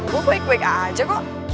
gue baik baik aja kok